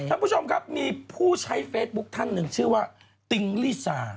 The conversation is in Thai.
ท่านผู้ชมครับมีผู้ใช้เฟซบุ๊คท่านหนึ่งชื่อว่าติ๊งลิซา